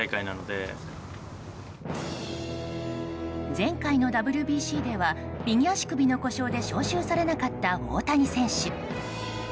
前回のＷＢＣでは右足首の故障で招集されなかった大谷選手。